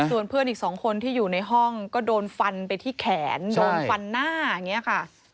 ส่วนเพื่อนอีก๒คนที่อยู่ในห้องก็โดนฟันไปที่แขนโดนฟันหน้าอย่างนี้ค่ะ